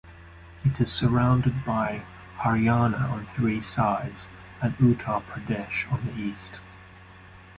It is surrounded by Haryana on three sides and Uttar Pradesh on the east.